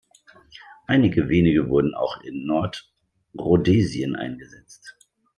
Einige wenige wurden auch in Nordrhodesien eingesetzt.